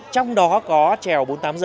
trong đó có trèo bốn mươi tám h